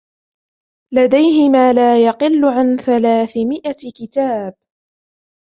لديه ما لا يقل عن ثلاثمئة كتاب.